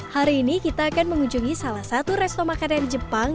hari ini kita akan mengunjungi salah satu resto makanan jepang